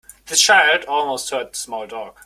The child almost hurt the small dog.